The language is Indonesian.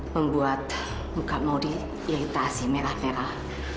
membuat muka maudie iritasi merah merah